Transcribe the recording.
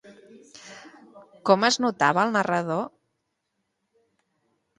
Com es notava el narrador?